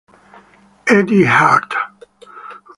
Eddie Hart